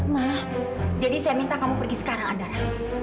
ma jadi saya minta kamu pergi sekarang andara